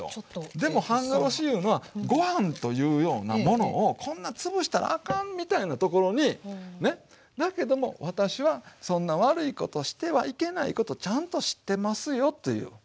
でも半殺しいうのはご飯というようなものをこんな潰したらあかんみたいなところにねだけども私はそんな悪いことしてはいけないことちゃんと知ってますよという。